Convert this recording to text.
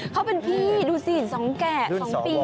เขาเป็นพี่ดูสิ๒แกะ๒ปี